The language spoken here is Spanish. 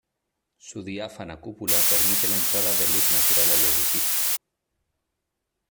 Su diáfana cúpula permite la entrada de luz natural al edificio.